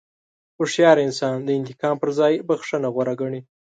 هوښیار انسان د انتقام پر ځای بښنه غوره ګڼي.